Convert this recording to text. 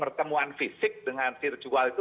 pertemuan fisik dengan virtual itu